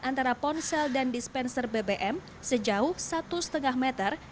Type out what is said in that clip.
antara ponsel dan dispenser bbm sejauh satu lima meter